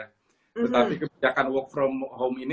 tetapi kebijakan work from home ini